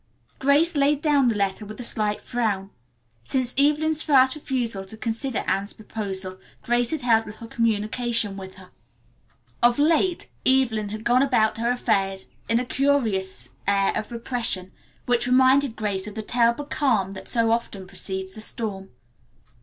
Grace laid down the letter with a slight frown. Since Evelyn's first refusal to consider Anne's proposal Grace had held little communication with her. Of late Evelyn had gone about her affairs with a curious air of repression, which reminded Grace of the terrible calm that so often precedes a storm.